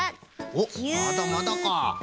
おっまだまだか。